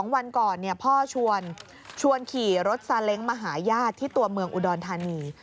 วันก่อนพ่อชวนขี่รถซาเล้งมาหาญาติที่ตัวเมืองอุดรธานี